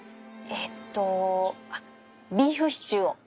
えっとビーフシチューを。